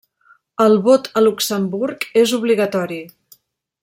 El vot a Luxemburg és obligatori.